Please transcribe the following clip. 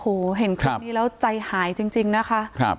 โอ้โหเห็นคลิปนี้แล้วใจหายจริงนะคะ